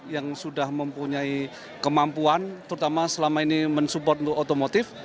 yang sudah mempunyai kemampuan terutama selama ini mensupport untuk otomotif